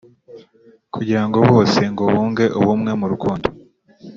Kugirango bose ngo bunge ubumwe mu rukundo